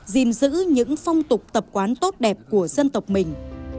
gìn giữ những phong tục tập quán tốt đẹp của dân tộc mình